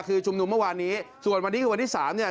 คือชุมนุมเมื่อวานนี้ส่วนวันดีคือวันที่๓